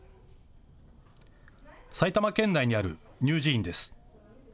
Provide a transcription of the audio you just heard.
埼玉県内にある乳児院です。